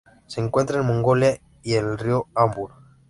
Se encuentra en Mongolia y el río Amur.